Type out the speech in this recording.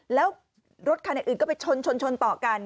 แล้วรถคันอื่นก็ไปชนชนต่อกัน